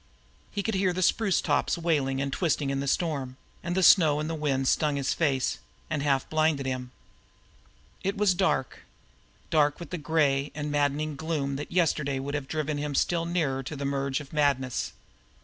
He could hear the spruce tops wailing and twisting in the storm, and the snow and wind stung his face, and half blinded him. It was dark dark with that gray and maddening gloom that yesterday would have driven him still nearer to the merge of madness.